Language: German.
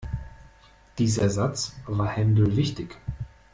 Dieser Satz war Händel wichtig.